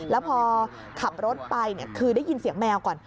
แล้วพอขับรถไปคือได้ยินเสียงแมวก่อน